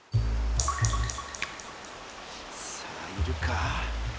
さあいるか？